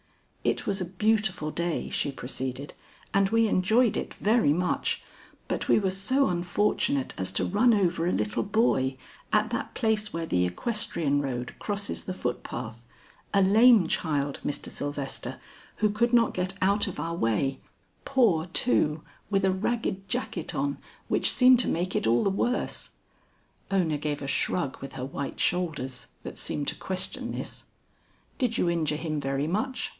"It was a beautiful day," she proceeded, "and we enjoyed it very much, but we were so unfortunate as to run over a little boy, at that place where the equestrian road crosses the foot path; a lame child, Mr. Sylvester, who could not get out of our way; poor too, with a ragged jacket on which seemed to make it all the worse." Ona gave a shrug with her white shoulders, that seemed to question this. "Did you injure him very much?"